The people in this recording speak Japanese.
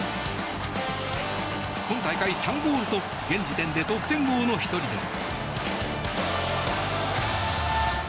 今大会３ゴールと現時点で得点王の１人です。